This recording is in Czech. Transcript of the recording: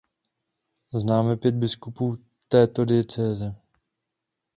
Známe pět biskupů této diecéze.